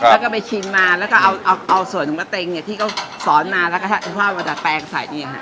แล้วก็ไปชิมมาแล้วก็เอาเอาเอาส่วนของบะเต็งเนี้ยที่เขาสอนมาแล้วก็ถ้าคุณพ่อว่าว่าจะแปลงใส่อย่างเงี้ยฮะ